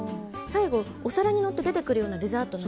お皿にのって出てくるようなデザート。